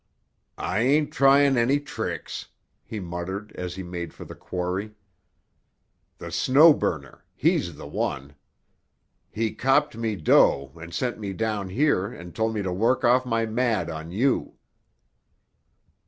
"I ain't trying any tricks," he muttered as he made for the quarry. "The Snow Burner—he's the one. He copped me dough and sent me down here and told me to work off my mad on you."